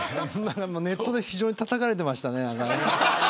ネットで非常にたたかれてましたね。